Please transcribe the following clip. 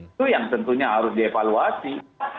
itu yang tentunya harus dievaluasi